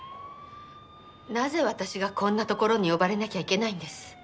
なぜ私がこんなところに呼ばれなきゃいけないんです？